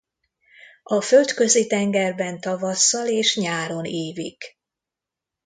A Földközi-tengerben tavasszal és nyáron ívik.